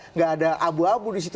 nggak ada abu abu di situ